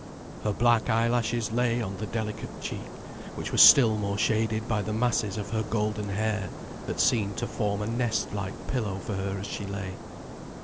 Her black eye lashes lay on the delicate cheek, which was still more shaded by the masses of her golden hair, that seemed to form a nest like pillow for her as she lay.